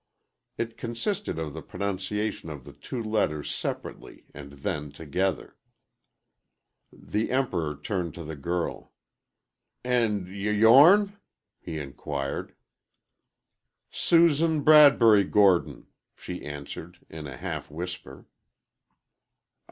It consisted of the pronunciation of the two letters separately and then together. The Emperor turned to the girl. "And y yourn?" he inquired. "Susan Bradbury Gordon," she answered, in a half whisper.